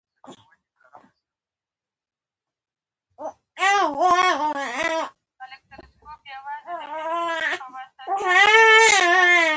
لمسی د ملا پر اوږه سپور شي.